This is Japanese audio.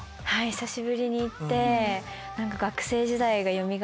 久しぶりに行って。